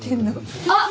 あっ！